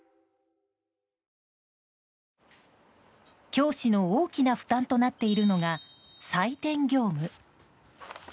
教師の大きな負担となっているのが採点業務。